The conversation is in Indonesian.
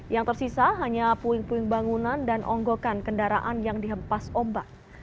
yang tersisa hanya puing puing bangunan dan onggokan kendaraan yang dihempas ombak